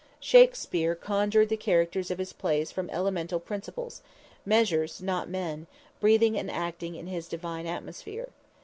Shakspere conjured the characters of his plays from elemental principles, measures not men, breathing and acting in his divine atmosphere.